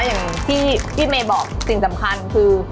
อย่างที่พี่เมย์บอกสิ่งสำคัญคือ